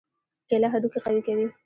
کېله هډوکي قوي کوي.